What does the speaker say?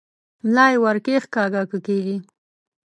ملا یې ور کښېکاږه که کېږي؟